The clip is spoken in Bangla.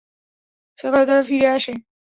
সকালে তারা ফিরে আসে।